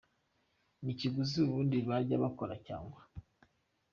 n’ikiguzi ubundi bajyaga bakora cyangwa.